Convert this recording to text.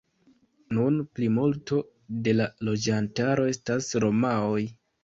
Nun plimulto de la loĝantaro estas romaoj.